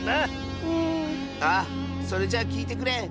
ああそれじゃあきいてくれ。